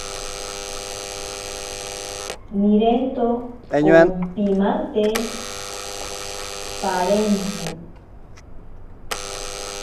Nirento ompimante parentzi.